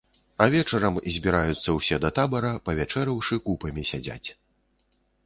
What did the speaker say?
А вечарам збіраюцца ўсе да табара, павячэраўшы, купамі сядзяць.